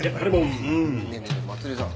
ねえねえねえまつりさん。